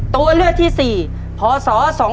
ตัวเลือกที่๔พศ๒๕๖